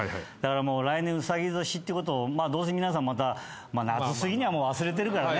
来年うさぎ年ってことをどうせ皆さんまた夏すぎには忘れてるからね。